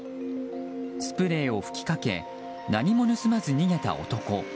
スプレーを吹きかけ何も盗まず逃げた男。